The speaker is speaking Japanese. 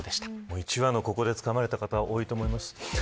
１話のここでつかまれた方、多いと思います。